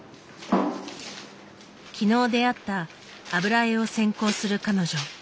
昨日出会った油絵を専攻する彼女。